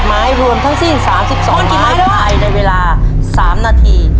ให้รวมทั้งสิ้น๓๒ไม้ไข่ในเวลา๓นาที